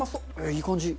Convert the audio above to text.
いい感じ！